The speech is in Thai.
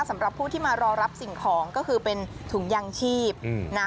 สำหรับผู้ที่มารอรับสิ่งของก็คือเป็นถุงยางชีพนะ